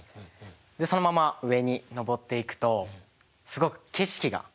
そのまま上に上っていくとすごく景色がきれいです。